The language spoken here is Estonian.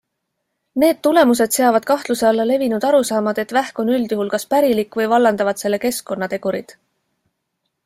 Need tulemused seavad kahtluse alla levinud arusaamad, et vähk on üldjuhul kas pärilik või vallandavad selle keskkonnategurid.